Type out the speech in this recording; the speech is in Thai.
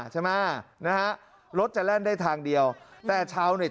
ใช่ไหมนะฮะรถจะแล่นได้ทางเดียวแต่ชาวเน็ต